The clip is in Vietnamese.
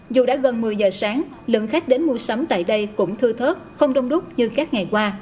dù đã gần một mươi giờ sáng lượng khách đến mua sắm tại đây cũng thưa thớt không đông đúc như các ngày qua